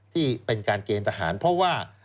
ที่เป็นการเกณฑ์ทหารเพราะว่า